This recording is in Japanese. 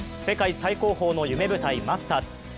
世界最高峰の夢舞台マスターズ。